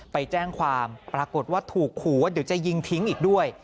ไปแจ้งความปรากฏว่าถูกขู่ว่าเดี๋ยวจะยิงทิ้งอีกด้วย